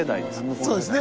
そうですね！